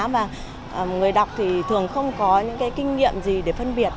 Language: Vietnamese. và người đọc thì thường không có những cái kinh nghiệm gì để phân biệt